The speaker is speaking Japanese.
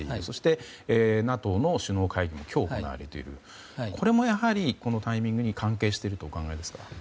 そしてＮＡＴＯの首脳会議が今日行われるということでこれもやはり、このタイミングに関係しているとお考えですか？